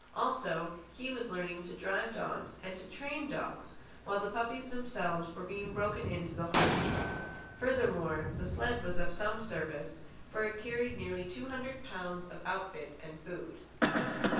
Also, he was learning to drive dogs and to train dogs; while the puppies themselves were being broken in to the harness. Furthermore, the sled was of some service, for it carried nearly two hundred pounds of outfit and food.